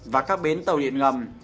và các bến tàu điện ngầm